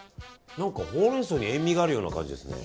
何か、ホウレンソウに塩みがあるような感じですね。